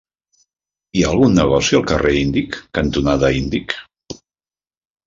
Hi ha algun negoci al carrer Índic cantonada Índic?